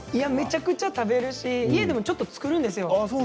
めちゃくちゃ食べますし家でもちょっと作るんですよ